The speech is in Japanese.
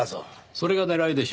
それが狙いでしょう。